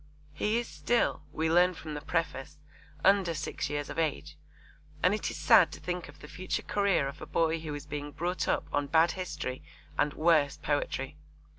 He is still, we learn from the preface, under six years of age, and it is sad to think of the future career of a boy who is being brought up on bad history and worse poetry.